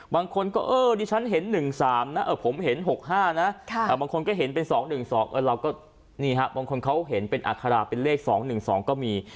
บางคนก็เออดิฉันเห็น๑๓นะผมเห็น๖๕นะบางคนก็เห็นเป็น๒๑๒เราก็นี่ฮะบางคนเขาเห็นเป็นอัคราเป็นเลข๒๑๒ก็มี